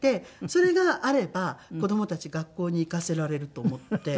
それがあれば子供たち学校に行かせられると思って。